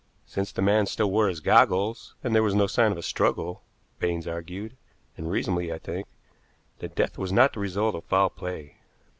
Since the man still wore his goggles, and there was no sign of a struggle, Baines argued, and reasonably, I think, that death was not the result of foul play.